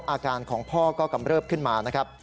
อาการของพ่อก็กำเริบขึ้นมานะครับ